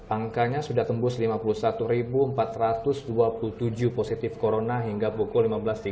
angkanya sudah tembus lima puluh satu empat ratus dua puluh tujuh positif corona hingga pukul lima belas tiga puluh